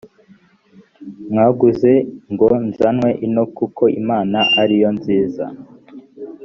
mwanguze ngo nzanwe ino kuko imana ari yo nziza